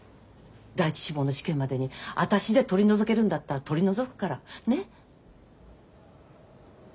第一志望の試験までに私で取り除けるんだったら取り除くから。ね？